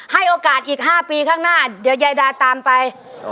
ให้โอกาสอีก๕ปีข้างหน้าเดี๋ยวยายดาตามไป